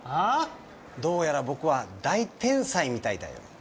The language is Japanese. どうやら僕は大天才みたいだよ。